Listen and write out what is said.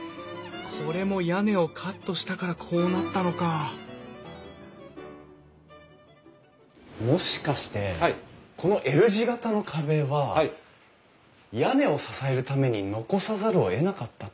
これも屋根をカットしたからこうなったのかもしかしてこのＬ字形の壁は屋根を支えるために残さざるをえなかったってことなんですか？